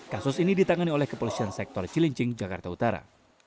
kasus ini ditangani oleh kepolisian sektor cilincing jakarta utara